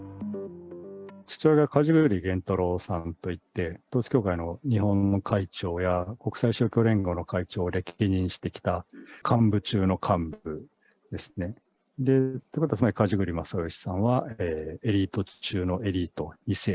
父親が梶栗玄太郎さんといって、統一教会の日本の会長や国際勝共連合の会長を歴任してきた幹部中の幹部ですね。ということは、つまり梶栗正義さんはエリート中のエリート２世。